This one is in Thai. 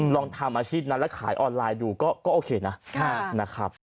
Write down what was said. ลองทำอาชีพนั้นแล้วขายออนไลน์ดูก็โอเคนะนะครับ